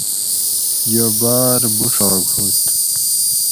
یہ باۤر بوڛاگ ہُوت